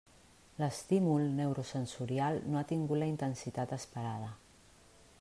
L'estímul neurosensorial no ha tingut la intensitat esperada.